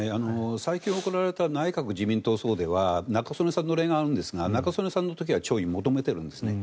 最近行われた内閣・自民党葬では中曽根さんの例があるんですが中曽根さんの時には弔意を求めているんですね。